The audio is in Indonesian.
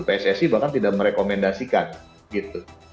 pssi bahkan tidak merekomendasikan gitu